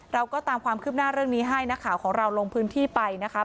เราก็ตามความคืบหน้าเรื่องนี้ให้นักข่าวของเราลงพื้นที่ไปนะคะ